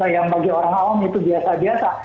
yang bagi orang awam itu biasa biasa